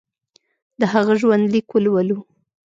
د هغه ژوندلیک ولولو.